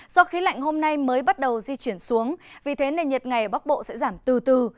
do khí lạnh hôm nay mới bắt đầu di chuyển xuống vì thế nền nhiệt ngày ở bắc bộ sẽ giảm từ từ